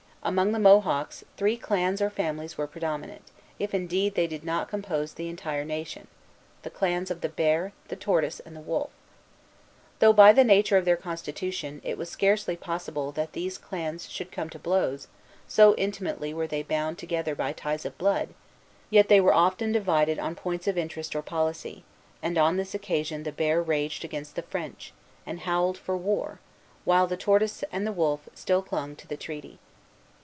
Among the Mohawks, three clans or families were predominant, if indeed they did not compose the entire nation, the clans of the Bear, the Tortoise, and the Wolf. Though, by the nature of their constitution, it was scarcely possible that these clans should come to blows, so intimately were they bound together by ties of blood, yet they were often divided on points of interest or policy; and on this occasion the Bear raged against the French, and howled for war, while the Tortoise and the Wolf still clung to the treaty.